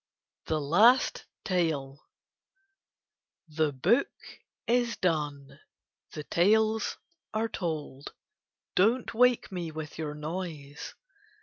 THE LAST TALE The book is done, the tales are told; Don't wake me with your noise.